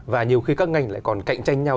và nhiều khi các ngành lại còn cạnh tranh nhau